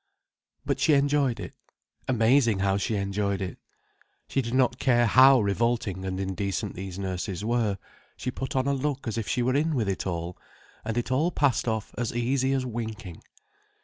But she enjoyed it. Amazing how she enjoyed it. She did not care how revolting and indecent these nurses were—she put on a look as if she were in with it all, and it all passed off as easy as winking.